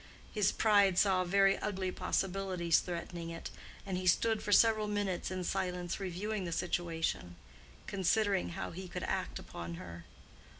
His pride saw very ugly possibilities threatening it, and he stood for several minutes in silence reviewing the situation—considering how he could act upon her.